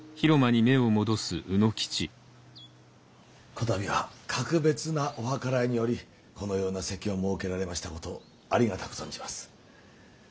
こたびは格別なお計らいによりこのような席を設けられましたことありがたく存じます。